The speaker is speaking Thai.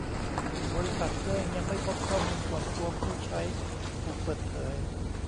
บริษัทแจ้งยังไม่พบข้อมูลส่วนตัวผู้ใช้ถูกเปิดเผย